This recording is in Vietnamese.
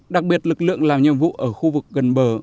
đặc biệt lực lượng làm nhiệm vụ ở khu vực gần bờ